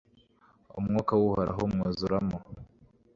umwuka w'uhoraho umwuzuramo